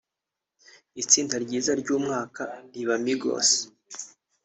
itsinda ryiza ry’umwaka riba Migos